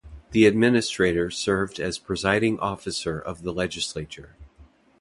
The Administrator served as presiding officer of the legislature.